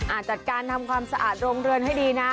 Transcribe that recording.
จัดการทำความสะอาดโรงเรือนให้ดีนะ